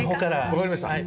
わかりました。